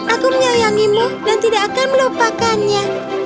aku menyayangimu dan tidak akan melupakannya